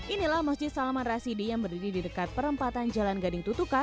inilah masjid salman rasidi yang berdiri di dekat perempatan jalan gading tutuka